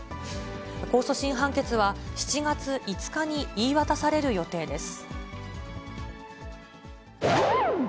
控訴審判決は、７月５日に言い渡される予定です。